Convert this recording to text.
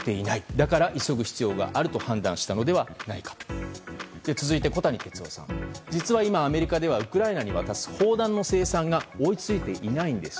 だから、急ぐ必要があると判断したのではないか。続いて小谷哲男さん実は今、アメリカではウクライナに渡す砲弾の生産が追いついていないんです。